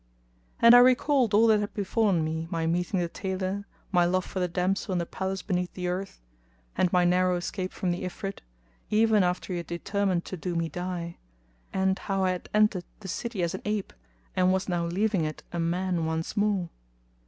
And I recalled all that had befallen me, my meeting the tailor, my love for the damsel in the palace beneath the earth, and my narrow escape from the Ifrit, even after he had determined to do me die; and how I had entered the city as an ape and was now leaving it a man once more.